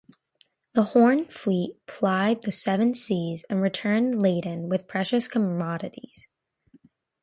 The Hoorn fleet plied the seven seas and returned laden with precious commodities.